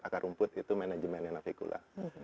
akar rumput itu manajemennya nafi kula